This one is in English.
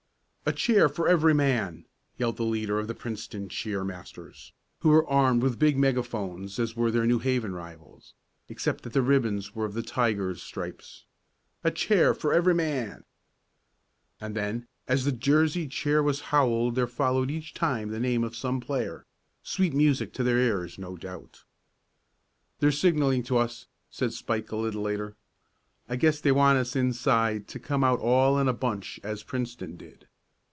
"A cheer for every man!" yelled the leader of the Princeton cheer masters, who were armed with big megaphones as were their New Haven rivals, except that the ribbons were of the tiger's stripes. "A cheer for every man!" And then, as the Jersey cheer was howled there followed each time the name of some player sweet music to their ears, no doubt. "They're signalling to us," said Spike a little later. "I guess they want us inside to come out all in a bunch, as Princeton did."